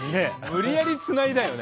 無理くりつないだよね。